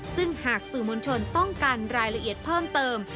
ซึ่งหากสื่อมวลชนต้องการรายละเอียดเพิ่มเติม